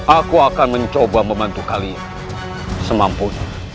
aku akan mencoba membantu kalian semampunya